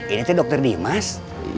ini teh dokter dimas